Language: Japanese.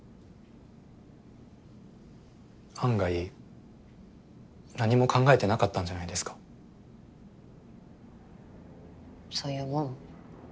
案外何も考えてなかったんじゃないですかそういうもん？